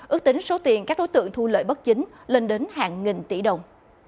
ước tính số tiền các đối tượng thu lợi bất chính lên đến hàng nghìn tỷ đồng